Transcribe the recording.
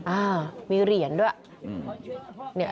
อ่ามีเหรียญด้วย